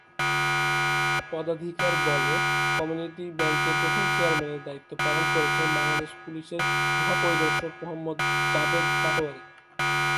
পদাধিকার বলে কমিউনিটি ব্যাংকের প্রথম চেয়ারম্যানের দায়িত্ব পালন করছেন বাংলাদেশ পুলিশের মহাপরিদর্শক মোহাম্মদ জাবেদ পাটোয়ারী।